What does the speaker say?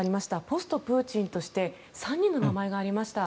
ポストプーチンとして３人の名前がありました。